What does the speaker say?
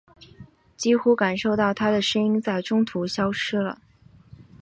几乎感受到她的声音在中途消失了。